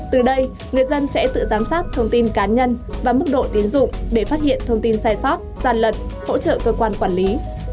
từ đây người dân sẽ tự giám sát thông tin cá nhân và mức độ tiến dụng để phát hiện thông tin sai sót gian lận hỗ trợ cơ quan quản lý